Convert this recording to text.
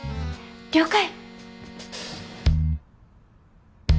了解。